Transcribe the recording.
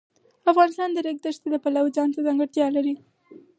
افغانستان د د ریګ دښتې د پلوه ځانته ځانګړتیا لري.